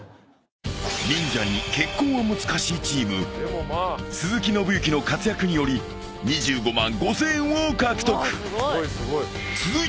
［『忍者に結婚は難しい』チーム鈴木伸之の活躍により２５万５，０００円を獲得］